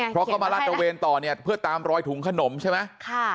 เพราะเขามาลาดตระเวนต่อเนี่ยเพื่อตามรอยถุงขนมใช่ไหม